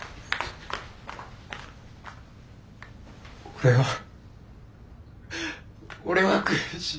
・俺は俺は悔しい。